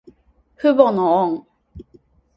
父母の恩。